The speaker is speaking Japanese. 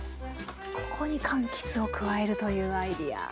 ここにかんきつを加えるというアイデア。